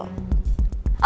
apa perlu gue bawa